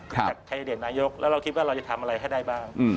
จากแคนดิเดตนายกแล้วเราคิดว่าเราจะทำอะไรให้ได้บ้าง